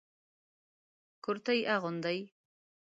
کرتي اغوندئ